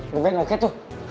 nge ban oke tuh